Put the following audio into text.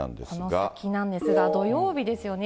この先なんですが、土曜日ですよね。